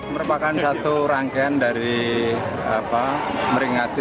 merupakan satu rangkaian dari meringati